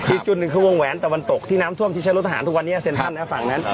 อีกจุดหนึ่งคือวงแหวนตวรรณตกที่นำท่วมทิชย์รถทหารทุกวันเนี่ยซีนทัลแนวฝั่งนั้น